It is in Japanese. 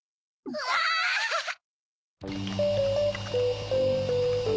うわハハっ。